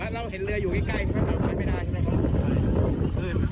แล้วเราเห็นเรืออยู่ใกล้บ้านไปได้ใช่ไหมบ้า